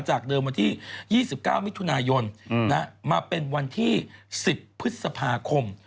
จากเดิมวันที่๒๙มิถุนายนมาเป็นวันที่๑๐พฤษภาคม